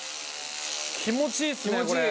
気持ちいいですねこれ。